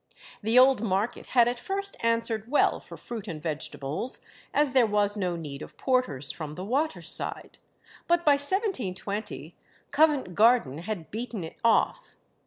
The old market had at first answered well for fruit and vegetables, as there was no need of porters from the water side; but by 1720 Covent Garden had beaten it off.